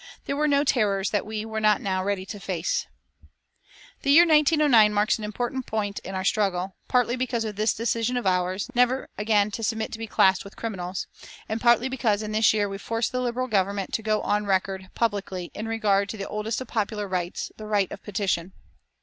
There were no terrors that we were not now ready to face. The year 1909 marks an important point in our struggle, partly because of this decision of ours, never again to submit to be classed with criminals; and partly because in this year we forced the Liberal Government to go on record, publicly, in regard to the oldest of popular rights, the right of petition.